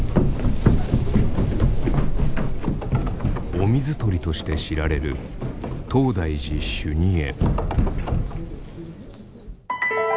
お水取りとして知られる東大寺修二会。